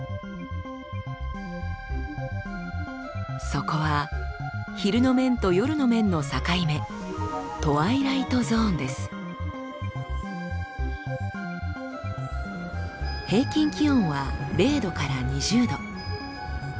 そこは昼の面と夜の面の境目平均気温は０℃から２０℃。